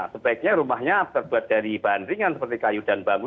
sebaiknya rumahnya terbuat dari bahan ringan seperti kayu dan bamu